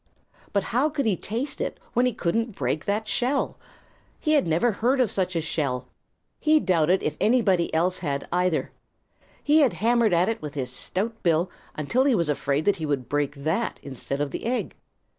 But how could he taste it, when he couldn't break that shell? He never had heard of such a shell. He doubted if anybody else ever had, either. He had hammered at it with his stout bill until he was afraid that he would break that, instead of the egg.